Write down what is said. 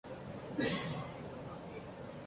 விரிசிகை அரண்மனையை அடைந்தாள்.